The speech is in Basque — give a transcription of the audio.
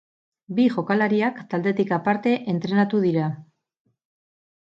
Bi jokalariak taldetik aparte entrenatu dira.